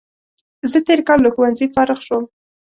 زه تېر کال له ښوونځي فارغ شوم